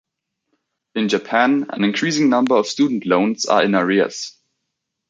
In Japan, an increasing number of student loans are in arrears.